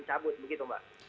cabut begitu mbak